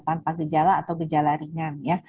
tanpa gejala atau gejala ringan ya